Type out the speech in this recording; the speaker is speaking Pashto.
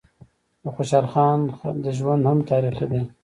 د خوشحال خان ژوند هم تاریخي دی.